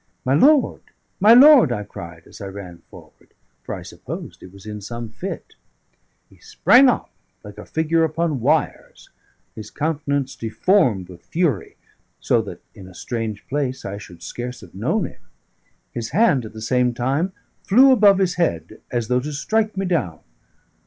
"My lord, my lord!" I cried as I ran forward, for I supposed he was in some fit. He sprang up like a figure upon wires, his countenance deformed with fury, so that in a strange place I should scarce have known him. His hand at the same time flew above his head, as though to strike me down.